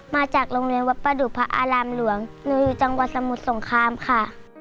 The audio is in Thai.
มาจากโรงเรียนวัดประดุพระอารามหลวงหนูอยู่จังหวัดสมุทรสงครามค่ะ